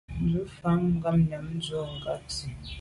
Ntshùa mfà ngabnyàm ndù a kag nsi,